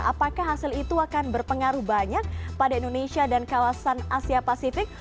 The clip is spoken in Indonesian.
apakah hasil itu akan berpengaruh banyak pada indonesia dan kawasan asia pasifik